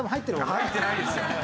いや入ってないですよ。